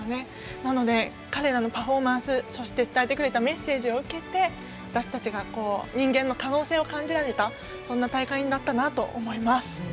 なので、彼らのパフォーマンス伝えてくれたメッセージを受けて私たちが人間の可能性を感じられたそんな大会になったなと思います。